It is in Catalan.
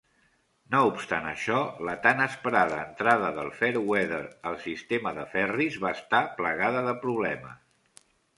No obstant això, la tant esperada entrada del "Fairweather" al sistema de ferris va estar plagada de problemes.